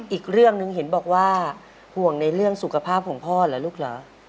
อีกเรื่องหนึ่งเห็นบอกว่าห่วงในเรื่องสุขภาพของพ่อเหรอลูกเหรอ